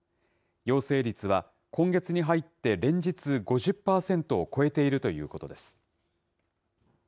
陽性率は今月に入って連日５０％を超えているということです。